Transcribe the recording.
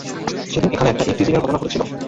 সেদিন এখানে একটা ইভটিজিং এর ঘটনা ঘটেছিল।